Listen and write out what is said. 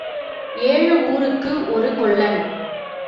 ஏழு ஊருக்கு ஒரு கொல்லன்.